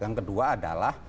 yang kedua adalah